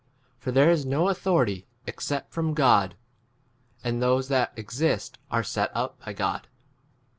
For there is no authority except from God ; and those w that 2 exist are set up by God.